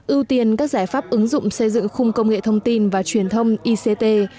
ưu tiên các giải pháp ứng dụng xây dựng khung công nghệ thông tin và truyền thông ict